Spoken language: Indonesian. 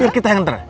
iya kita yang anterin